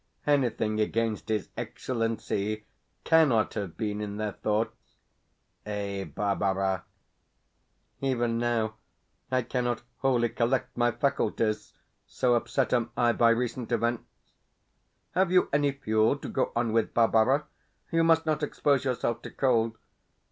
Anything against his Excellency CANNOT have been in their thoughts. Eh, Barbara? Even now I cannot wholly collect my faculties, so upset am I by recent events.... Have you any fuel to go on with, Barbara? You must not expose yourself to cold.